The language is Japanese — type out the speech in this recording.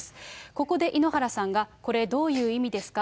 ここで井ノ原さんが、これ、どういう意味ですか？